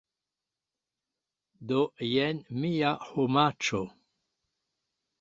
Do jen mia homaĉo.